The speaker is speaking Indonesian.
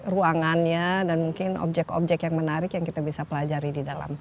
ruangannya dan mungkin objek objek yang menarik yang kita bisa pelajari di dalam